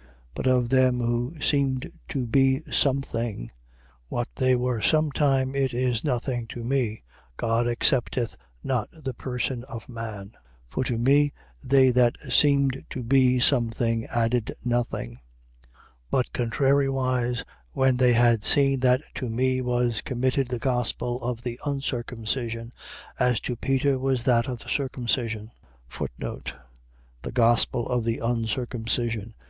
2:6. But of them who seemed to be some thing, (what they were some time it is nothing to me, God accepteth not the person of man): for to me they that seemed to be some thing added nothing. 2:7. But contrariwise, when they had seen that to me was committed the gospel of the uncircumcision, as to Peter was that of the circumcision. The gospel of the uncircumcision. ..